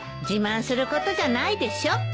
自慢することじゃないでしょ。